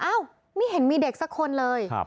ไม่เห็นมีเด็กสักคนเลย